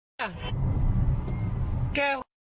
แก้